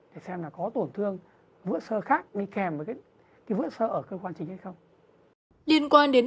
để xem là có tổn thương vữa sơ khác đi kèm với cái vữa sơ ở cơ quan chính hay không liên quan đến bệnh